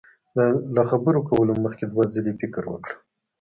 له خبرو کولو مخ کي دوه ځلي فکر وکړه